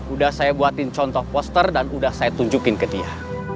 udah saya buatin contoh poster dan udah saya tunjukin ke dia